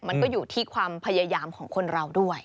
มันก็อยู่ที่ความพยายามของคนเราด้วย